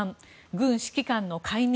軍指揮官の解任